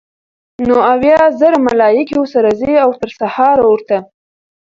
نو اويا زره ملائک ورسره ځي؛ او تر سهاره ورته